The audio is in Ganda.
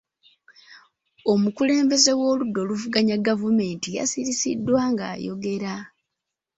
Omukulembeze w'oludda oluvuganya gavumenti yasirisiddwa ng'ayogera.